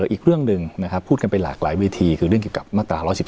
อีกเรื่องหนึ่งนะครับพูดกันไปหลากหลายเวทีคือเรื่องเกี่ยวกับมาตรา๑๑๒